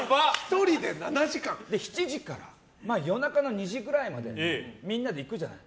７時から、夜中の２時くらいまでみんなで行くじゃない。